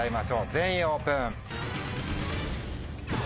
全員オープン！